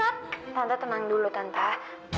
tante tenang dulu tante